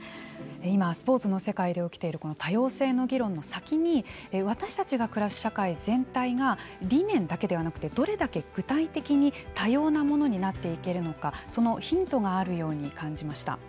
今、スポーツの世界で起きているこの多様性の議論の先に私たちが暮らす社会全体が理念だけではなくてどれだけ具体的に多様なものになっていけるのかそのヒントがあるように感じました。